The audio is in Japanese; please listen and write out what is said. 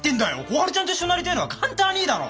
小春ちゃんと一緒になりてえのは勘太あにぃだろ！